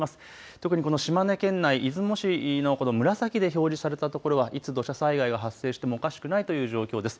特にこの島根県内、出雲市のこの紫で表示されたところはいつ土砂災害が発生してもおかしくないという状況です。